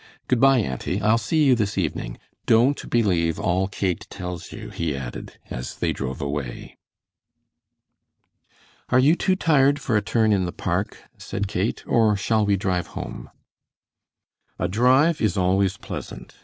"Good by, auntie, I'll see you this evening. Don't believe all Kate tells you," he added, as they drove away. "Are you too tired for a turn in the park," said Kate, "or shall we drive home?" A drive is always pleasant.